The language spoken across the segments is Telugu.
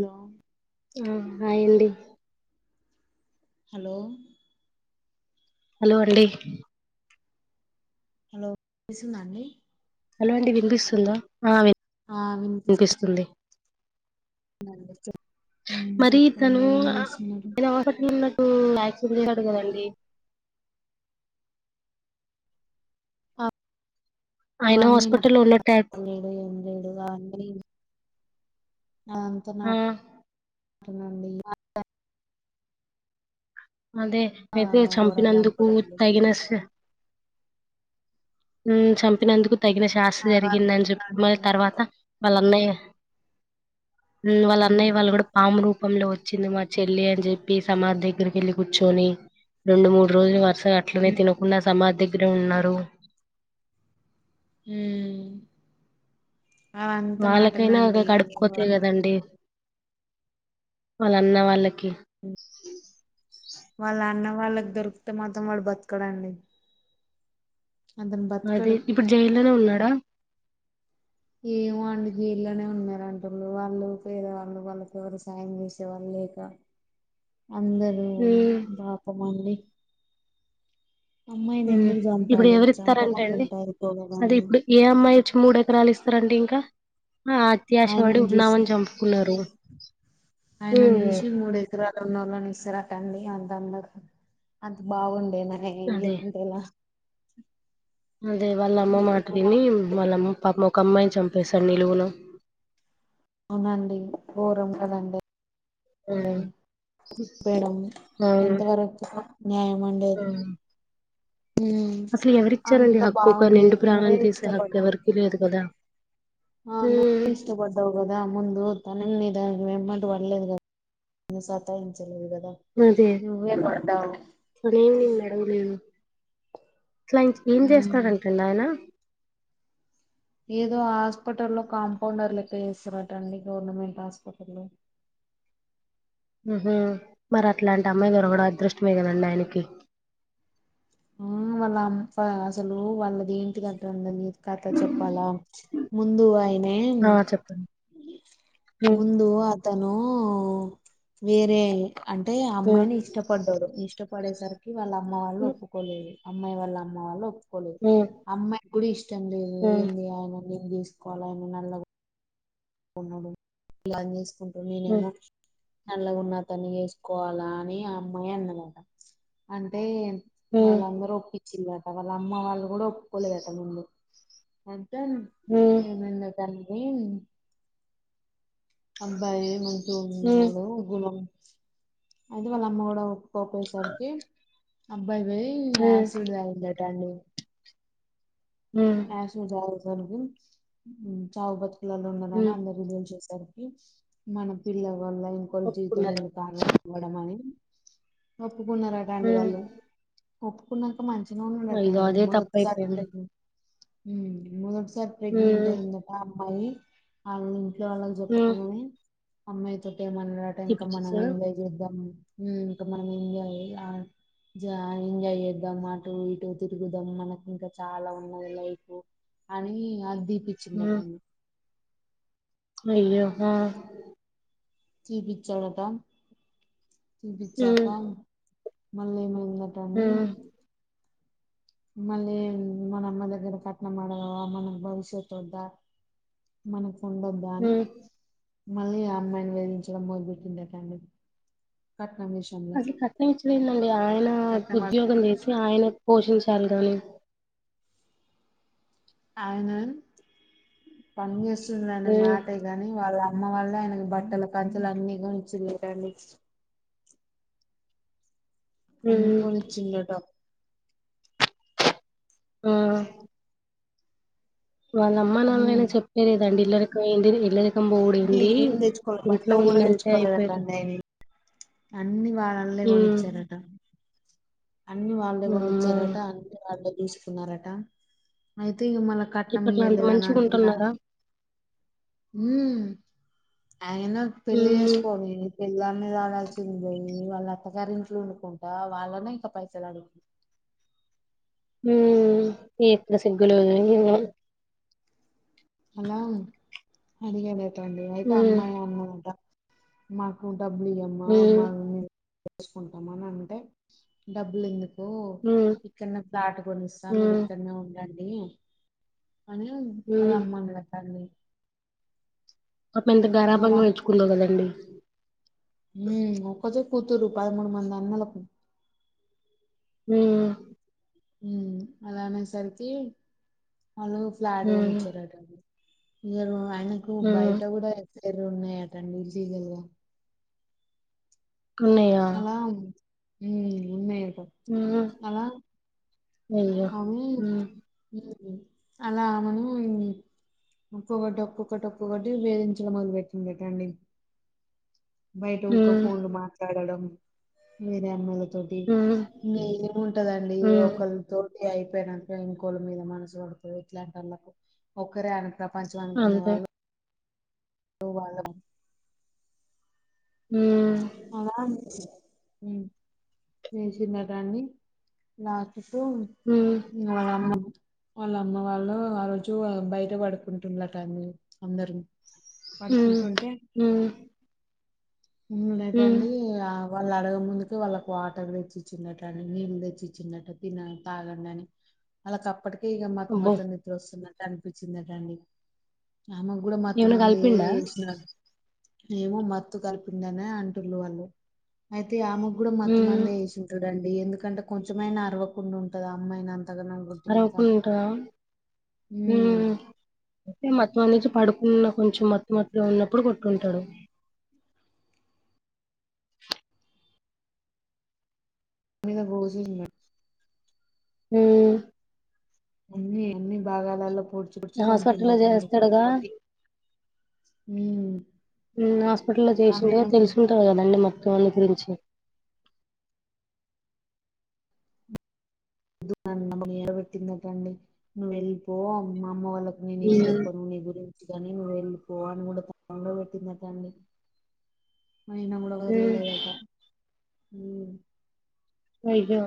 హలో ఉ హయ్ అండి హలో హలో అండి హలో వినిపిస్తుందా అండి హలో అండి వినిపిస్తుందా ఆ విన్ ఆ వినిపి ఉమ్ [inaudible] మరి చెప్పండి తను ఏం [unintelligible] చేస్తున్నారు యాక్షన్ చేసాడు కదండి అ ఆయన వన్నీ హాస్పిటల్లో [unintelligible] ఉన్నట్టు యాక్- లేడు కావండి అదంతా ఆ నానండి అదే ఆ అయితే కూర చంపినందుకు చంపుడండి తగిన ఊమ్ చంపినందుకు తగిన శాస్సి అవంతా జరిగిందని చెప్పి మళ నాటు. తర్వాత వాళ్ళ అన్నయ్య ఊం వాళ్ళ ఉమ్ అన్నయ్య వాళ్ళు గూడా పాము రూపంలో వచ్చింది మా చెల్లి అని చెప్పి సమాద్దెగ్గరికెళ్ళి కూర్చోని రెండు మూడు రోజులు వరుసగా అట్లనే ఉమ్ తినకుండా సమాధి దగ్గరే ఉన్నారు ఊమ్ వాళ్ళకైనా ఒగ నాటనండి కడుపు కోతే వా- కదండి వాళ్ళ అన్న వాళ్ళకి ఉ వాళ్ళ అన్న వాళ్ళక్ దొరుక్తే మాత్రం వాడు బతకడండి అతను అదే బతకడు ఇప్పుడు జైల్లోనే ఉన్నాడా ఏమో అండి జైల్లోనే ఉన్నారంటుర్రు వాళ్ళు పేదవాళ్ళు వాళ్ళకి ఎవరు సాయం చేస్ ఎవరు లేక అందరు ఉమ్ పాపమండి అమ్మాయిని ఉమ్ ఎందుకు ఇప్పుడు చంపాలి ఎవరిత్తారంట అండి చంపకుండా అదే అయిపోగదండి ఇప్పుడు ఏ అమ్మాయి వచ్చి మూడు ఎకరాలు ఇస్తారండి ఇంకా అఆ అత్యాసపడి ఆయనను ఉన్నా చూసి ఆమెని చంపుకున్నారు [unintelligible] నోళ్ళని ఇస్తరట అండి అంత అందగ అంత బాగుండేన ఏం అదే [unintelligible] ఎలా అదే వాళ్ళ అమ్మ మాట విని వాళ్ళమ్మ పాపం ఒక అమ్మాయిని చంపేశాడు నిలువున అవునా అండి గోరం కదండి ఉమ్ మేడమ్ అవును ఎంతవరకు న్యాయం అండి అది ఉమ్. ఉమ్ అసలు ఎవరిచ్చారండి అంత హక్కు ఒక బాగుంది నిండు నువ్వే ప్రాణాన్ని తీసే హక్కు ఇష్టపడ్డావు ఎవరికి లేదు కదా అవును ఉమ్, ఇష్టపడ్డ ఔను గదా ముందూ తనని దాని వెంట పడలేదు సతాయించలేదు గదా నువ్వే పడ్డావు గుడ్ ఈవినింగ్ మేడమ్ నేను అసలు ఏం ఉమ్. చేస్తాడంట ఆయన ఏదో హాస్పిటల్లో కాంపౌండర్ లెక్క చేస్తాడట అండి గవర్నమెంట్ హాస్పిటల్లో ఆమ్ హా మరి అట్లాంటి అమ్మాయి దొరకడం అదృష్టమే కదండి ఆయనకి ఉమ్ వాళ్ళ అమ్ అ అసలు వాళ్ళది ఏంటి కథ అన్నది నీకు కథ చెప్పాలా ముందు అయినే ఆ చెప్పండి ఉ ముందూ అ తనూ వేరే అంటే ఉ అమ్మాయిని ఇష్టపడ్డాడు ఇష్టపడేసరికి కి వాళ్ళ అమ్మ వాళ్ళు ఉ ఒప్పుకోలేదు అమ్మాయి వాళ్ళ అమ్మ వాళ్ళు ఒప్పుకోలేదు ఉ అమ్మాయి కూడా ఇష్టం లేదు ఉ ఏంది ఆయన నేను చేసుకోవాల ఆయన నల్లగ ఉన్నాడు ఇగా ఆయనీ చేసుకుంటూ ఉ నేనేమో నల్లగున్న అతన్ని చేసుకోవాలా అని ఆ అమ్మాయి అన్నదట అంటే ఉ వాళ్ళందరూ ఒప్పిచ్చిందట వాళ్ళ అమ్మ వాళ్ళు గూడా ఒప్పుకోలేదట ముందు అంతన్ ఉ ఉ ఏమైందొ దాని అబ్బాయి మంచిగ ఉన్నాడు గుణం అయితే వాళ్ళ అమ్మ గూడా ఒ కోపేసరికి అబ్బాయి పోయి యాసిడ్ తగిండట అండి ఉ యాసిడ్ తాగే సరికి చావు బతుకులలో ఉ ఉన్నాడను అందరికి తెల్చేసారు కి మన పిల్ల వల్ల ఇంకోరు జీవితం ఒప్పుకున్నారు ఎందుకు ఆగం అవడం అని ఒప్పుకున్నారట ఉ అండి వాళ్ళు ఒప్పుకున్న క మంచి మొగుడు అట అయ్యో అండి అదే మొదటిసారి తప్పయిపోయింది ప్రెగ్ [unintelligible] ఊమ్ మొదటిసారి ఉ ప్రెగ్నెంట్ అయిందట అమ్మాయి ఆ ఇ ఇంట్లోకి వాళ్ళకి ఉ చెప్పకుండనే అమ్మాయి తోటి ఏమన్నడట ఇంకా మనం తీపిచ్చేసారా ఎంజాయ్ చేద్దాము ఊమ్ ఇంక మనం ఎంజాయ్ ఆ జాలిగా చేద్దామా అటు ఇటు తిరుగుదాం మనకి ఇంకా చాలా ఉన్ నాది లైఫు అనీ అది తీపించిందంట ఉ అండి అయ్యో హ చూపించాడట ఉ చూపించాక మళ్ళీ ఏమైందొ ఉ కానీ మళ్ళీ మన అమ్మ దగ్గర కట్నం అడగాల అ మన భవిష్యత్తు వద్ద మనకు ఉండోద్దా ఉ అని మళ్ళీ అమ్మాయిని వేధించడం మొదలుపెట్టిందట అండి కట్నం విషయంలో అసలు కట్టనించలేందండి ఆయన కట్నం అడు ఉద్యోగం చేసి ఆయన పోషించాలి గాని. ఆయన పని చేేస్తుండ ఆయన ఉ మాట కాని వాళ్ళ అమ్మ వాళ్ళ ఆయనకు బట్టల పంచలు అన్ని కూడా కొనిచ్చిలేదండి ఉ అన్ని కొనిచింది అంట ఆ వాళ్ళ అమ్మ నాళైనా ఉమ్ చెప్పలేదండి ఇల్లరికి ఇల్లరికి అన్ని పకంబోడింది ఏం తెచ్చుకోలే ఇంట్లో బట్టలు కూడా ఉందంటే అయిపోయది తెచ్చుకోలేదటండి ఆయన అన్ని వాళ్ళలే హ్మ్ కొనిచ్చారట అన్ని వాళ్ళే వామ్మో కొనిచ్చారట అన్ని వాళ్ళే చూసుకున్నారట అయితే ఇక మళ కట్నం ఇప్పట్లో అంత ఇయలేదాని అంటందా. మంచిగుంటున్నారా అయన పెళ్లి హ్మ్ పోనీ పిల్లన్న ఆడాల్సి ఉంద వాళ్ళు అత్తగారి ఇంట్లో వండుకుంటా వాళ్ళనే ఇంకా పైసలులాడుతుంది ఈ ఇక్కడ సిగ్గులు అలా అడిగేలేటండి అయితే హ్మ్ అమ్మాయి అన్నందట మాకు డబ్బులుమ్మా హ్మ్ మా చేసుకుంటాంని అంటే డబ్బులు ఎందుకు హ ఇక్కడనే ప్లాట్ కొనిస్తా మీరు ఇక్కడనే ఉండండి. అనీ మ హ్మ్ అమ్మ మడక్కడి పాప ఎంత వాళ్ళ గరాబంగా మెచ్చుకుందవు కదండి. ఒక్కతే కూతురు పదమూడు మంది అన్నలకు హ అలా అనేసరికి వాళ్ళు ఫ్లాట్ కూడా కొని హ్మ్ ఇచ్చారుట అండి ఇ ఆయనకు హ్మ్ బయట కూడా ఎరు ఉన్నాయాటండి ఇలీగల్ గా ఉన్నాయా అలా ఉన్నయాట ఉ అవి అలా మను ఒక్కొక్కటి ఒక్కొక్కటి ఒక్కొక్కటి వేధించల మొదలు పెట్టిందిటండి. బయట ఉకే హ్మ్ ఫోన్లు మాట్లాడడం వేరే అమ్మలతో హ్మ్ ఇంకా ఏముంటదండి హ్మ్ ఒకరు తోటి అయిపోయినక ఇంకోల మీద మనసు పడుతుంది ఇట్లాంటి వాళ్ళలకు ఒక్కరే అనక పచవాన్కు అంతే వాళు వాళ హ అలా [inaudible] హ వాళ్ళ అమ్మ వాళ్ళ అమ్మ వాళ్ళు ఆ రోజు బయట పడుకుంటుండలటన్ని అందరిని హ లేటండి ఆ వాళ్ళు అడగ ముందుకి వాళ్ళకి వాటర్ తెచ్చిచ్చినట్టు అండి నీళ్ళు తెచ్చిచ్చినట్టు తినని తాగండి అని అలాక అప్పటికే ఇక మత అబ్బో! మతు నిద్ర వస్తున్నట్టు అనిపించిందటండి అమే కూడా మత్తు ఏమైనా మందు కలిపిండా? చేసిన మేమో మత్తు కలిపి అంటుు వాళ్ళు అయితే ఆమెకు కూడా మత్ హ్మ్. మంది వేసారు చూడండి ఎందుకంటే కొంచెమైనా అరవకుండా ఉంటది అమ్మాయిని అంతగానం అ అరవకుండా ఉంటదా ఆ ఉమ్ అంటే మధ్యలో లేచి పడుకున్న కొంచెం మత్తు మత్తులో ఉన్నప్పుడు కొట్టుంటాడు మీ బోజున్నా ఉ అన్ని అన్ని భాగాలలో పొడ్చి పడ్చి హాస్పిటల్‌లో చంపిండటండి కొట్టి చేస్తాడుగా కొట్టి ఉ హాస్పిటల్లో చేసిండుగ తెలుసు ఉంటారు కదండి మొత్తం వాని గురించి మ్ ఏరబెట్టిందిటండి నువ్వు వెళ్ళిపో మా అమ్మ వాళ్ళ నేనే ఏం హ్మ్. చెప్పను నీ గురించి కాని నువ్వు వెళ్ళి పోవని కూడా దనంగా పెట్టిందట అండి అయినా కూడా వదల హ్మ్. లేదట ఉ అయ్యో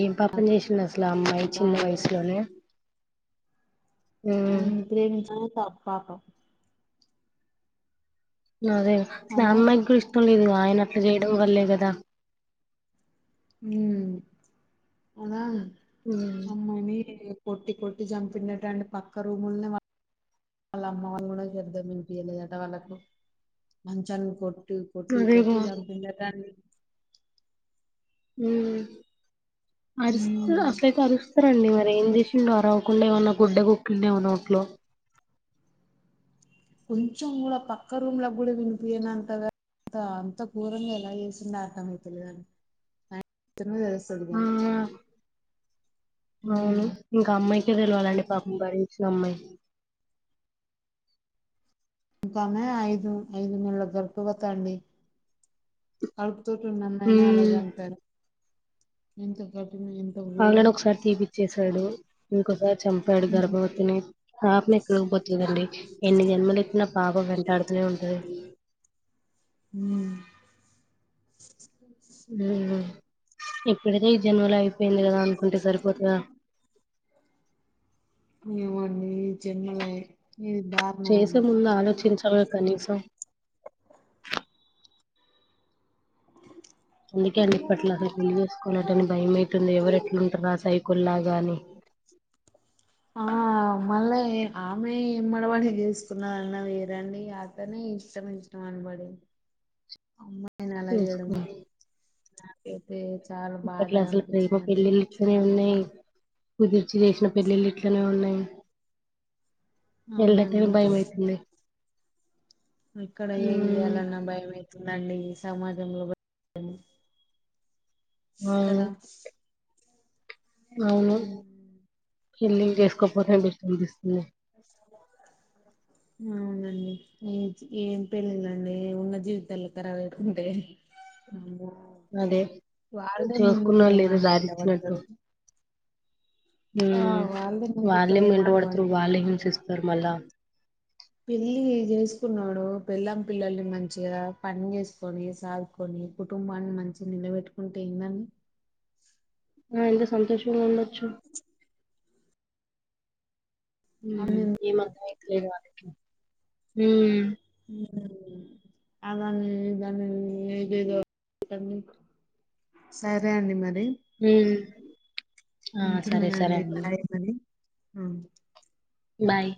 ఏ పాపం చేేసిడో ఇట్లా అమ్మాయి ఇంకా చిన్న అందరూ వయసులోనే హ్మ్. వాని ప్రేమించడమే పా పాపం అదే అట్లా అలా అమ్మాయికి కూడా ఇష్టం లేదు ఆయన అట్లా చేయడం వల్లే కదా ఉ అదా హ్మ్. అమ్మ నీ కొట్టి కొట్టి చంపిండట పక్క రూముల్నే వాళ్ళ అమ్మ వాళ్ళ కూడా శబ్దం వినిపియలేదట వాళ్ళకు మంచాన్ని కొట్టి కొట్టి అదేగా! కొట్టి చంపిండంట అని ఉ అరిస్త ఉమ్ అసలైతే అరుస్తే అరుస్తారండీ మరి ఏం చేసిండో ఆ రావకుండా ఏమైన్నా గుడ్డ కుక్కిండో ఏమైనా నోట్లో కొంచెం కూడా పక్క రూమ్ లా కూడా వినిపియనతంగ అ అంత గోరంగా ఎలా చేసిండో అర్థమైతలేదండి తెలుస్తది ఆ గాని అవును ఉమ్ ఇంకా అమ్మాయికే తెలివాలండి పాపం భరించిన అమ్మాయికి ఇంకా ఆమె ఐదు ఐదు నెలల గర్భవత అండి కడుపుతో ఉన్న అమ్మాయినే అలా ఉమ్, చంపారు ఎంత కఠిన ఘోరం ఆల్రెడీ ఒకసారి తీపిచ్చేసాడు ఇంకోసారి చంపాడు ఉమ్ గర్భవతిని పాపం ఎక్కడ లేదండి ఎన్ని జన్మలేతిన పాపం వెంటాడుతూనే ఉంటది ఉ ఎప్పుడైతే ఈ జన్మలో అయిపోయింది కదా అనుకుంటే సరిపోతదా ఏమో అండి ఈ జన్మలయ్ చేసే ముందు ఆలోచించాలగ కనీసం అందుకే ఇప్పట్లో అసలు పెళ్లి చేసుకోవాలంటనే భయం అవుతుంది ఎవరు ఎట్లు ఉంటారా ఆ సైకోల్లాగా అని మమ్మల్ళే ఆమె ఏమడీబడి చేసుకున్నదీ వేరండి అతనే ఇష్టం ఇష్టం అనిబడి అమ్మాయి నీ అలా చేేయడం చేసుకోవాలి నాకైతే చాలా బాధగా అనిపించింది అండి ఇట్నే ఉన్నాయి కుదిర్చి చేసిన పెళ్ళిళ్ళు ఇట్లనే ఉన్నాయి పెళ్ళంటనే అవునండి భయమైతుంది ఎక్కడ ఏది చేయాలన్న భయమే అవుతుదండి ఈ భ సమాజంలో అవును కదా అవును పెళ్లిళ్లు చేసుకోకపోతే బెస్ట్ అనిపిస్తుంది అ అవునండి ఏ ఏం పెళ్ళిళండీ ఉన్న జీవితాలే కరాబైతుంటే అమ్మో అదే వళ్దే ముందు చేసుకున్న వాళ్ళు ఏదో ప్రేమాని వెంట దారిచ్చినట్టు బడుతరు ఉమ్ వాళ్ళదే ముందు వాళ్ళే ప్రేమ మెంట అని పడతరు వాళ్లే హింసిస్తరు మళ్ళా పెళ్లీ జేసుకున్నాడు పెళ్లాం పిల్లల్ని మంచిగా పన్జేసుకొని సా కొని కుటుంబాన్ని మంచి నిలబెట్టుకుంటే ఏందని ఆ ఎంత సంతోషంగుండొచ్చు ఉమ్ అని ఏం అర్థమైతే లేదు వానికి ఉమ్మ్ ఊ అదని ఇదన్ని ఏదేదో [unintelligible] సరే అండి మరి ఉమ్ ఆ సరే సరే ఉంటున్నానండి అండి బాయ్ మరి ఆ బాయ్